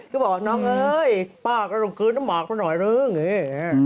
ก็บอกน้องเฮ้ยป้ากระดมคืนน้ำหมาหมาหน่อยแล้วอย่างนี้